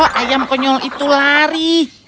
kalau ayam konyol itu lari